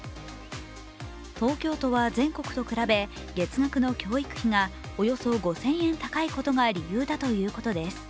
東京都は全国と比べ、月額の教育費がおよそ５０００円高いことが理由だということです。